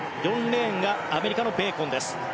４レーンがアメリカのベーコンです。